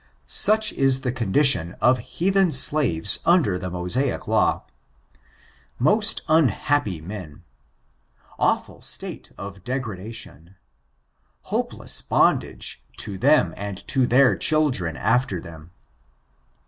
*' Such is the condition of heathen slares under the Mosaic Law. Most unhappy men ! Awful state of degradation ! Hopeless bondage to them and to their children after them